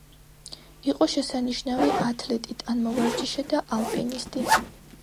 იყო შესანიშნავი ათლეტი, ტანმოვარჯიშე და ალპინისტი.